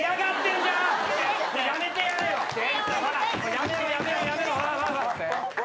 やめろやめろやめろ。